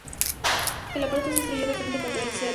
El aparato se estrelló de frente contra el cerro.